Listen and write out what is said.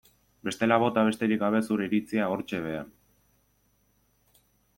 Bestela bota besterik gabe zure iritzia hortxe behean.